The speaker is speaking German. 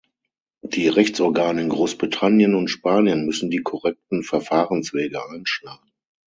Die Rechtsorgane in Großbritannien und Spanien müssen die korrekten Verfahrenswege einschlagen.